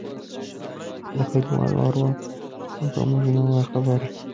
د کليوالو اروا هم په موږ نه وه خبره.